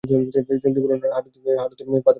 জলদি বল না, হাটুতে পাথরের গুতা লাগছে!